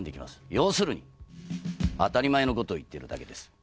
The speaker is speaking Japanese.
要するに当たり前のことを言ってるだけです。